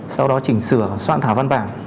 sau đó chỉnh sửa soạn thả văn bản